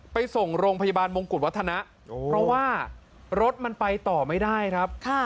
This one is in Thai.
ไปส่งโรงพยาบาลมงกุฎวัฒนะเพราะว่ารถมันไปต่อไม่ได้ครับ